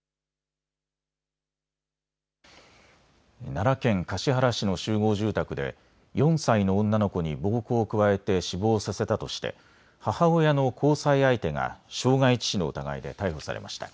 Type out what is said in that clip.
奈良県橿原市の集合住宅で４歳の女の子に暴行を加えて死亡させたとして母親の交際相手が傷害致死の疑いで逮捕されました。